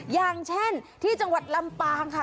อย่างเช่นที่จังหวัดลำปางค่ะ